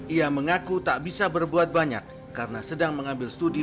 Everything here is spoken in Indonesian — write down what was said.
ia mengaku tak bisa berbuat banyak karena sedang mengambil studi